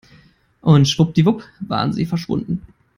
Und schwuppdiwupp waren sie verschwunden.